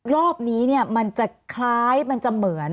รอบนี้มันจะคล้ายมันจะเหมือน